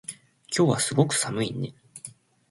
今日はすごく寒いね